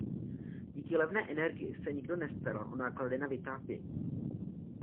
Díky levné energii se nikdo nestaral o náklady na vytápění.